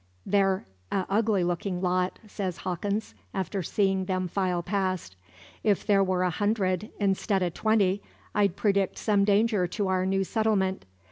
"They're a ugly looking lot," says Hawkins, after seeing them file past. "If there were a hundred, instead o' twenty, I'd predict some danger to our new settlement.